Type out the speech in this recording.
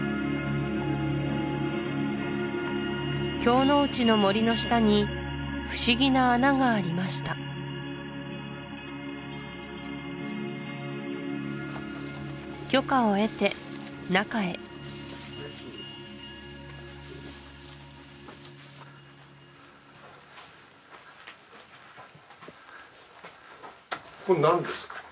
京の内の森の下に不思議な穴がありました許可を得て中へこれ何ですか？